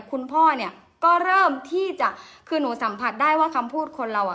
คุณพ่อเนี่ยก็เริ่มที่จะคือหนูสัมผัสได้ว่าคำพูดคนเราอ่ะ